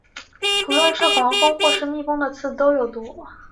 不论是黄蜂或是蜜蜂的刺都有毒。